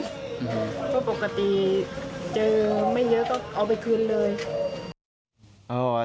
เพราะปกติเจอไม่เยอะก็เอาไปคืนเลย